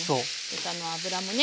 豚の脂もね